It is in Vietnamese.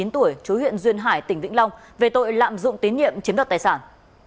hai mươi tuổi chú huyện duyên hải tỉnh vĩnh long về tội lạm dụng tín nhiệm chiếm đoạt tài sản